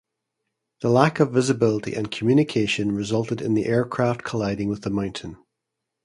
The lack of visibility and communication resulted in the aircraft colliding with the mountain.